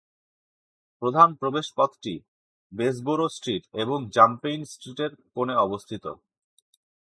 প্রধান প্রবেশ পথটি বেসবোরো স্ট্রিট এবং র্যাম্পেইন স্ট্রিটের কোণে অবস্থিত।